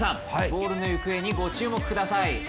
ボールの行方にご注目ください。